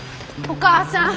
・お母さん！